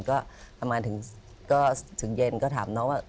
ก็ถึงเย็นก็ถามน้องว่า